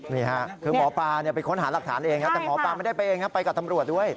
นี่ค่ะคือหมอปลาไปค้นหาหลักฐานเองครับแต่หมอปลาไม่ได้ไปเองครับไปกับตำรวจด้วย